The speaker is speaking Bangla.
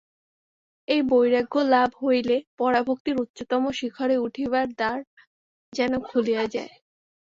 এই বৈরাগ্য-লাভ হইলে পরাভক্তির উচ্চতম শিখরে উঠিবার দ্বার যেন খুলিয়া যায়।